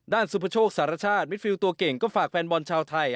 สุภโชคสารชาติมิดฟิลตัวเก่งก็ฝากแฟนบอลชาวไทย